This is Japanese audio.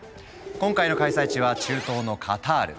今回の開催地は中東のカタール！